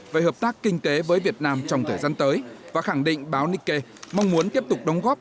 về hợp tác kinh tế với việt nam trong thời gian tới và khẳng định báo nikkei mong muốn tiếp tục đóng góp